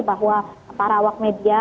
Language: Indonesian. bahwa para awak media